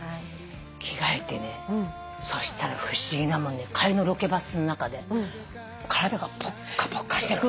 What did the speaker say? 着替えてねそうしたら不思議なもんで帰りのロケバスの中で体がぽっかぽかしてくんのよ。